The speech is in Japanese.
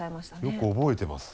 よく覚えてますわ。